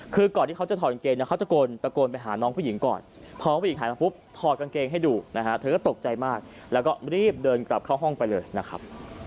คือก่อนที่เขาจะถอดกางเกงเนี่ยเขาตะโกนไปหาน้องผู้หญิงก่อนพอผู้หญิงหายมาปุ๊บถอดกางเกงให้ดูนะฮะเธอก็ตกใจมากแล้วก็รีบเดินกลับเข้าห้องไปเลยนะครับ